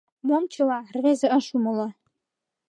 — Мом «чыла»? — рвезе ыш умыло.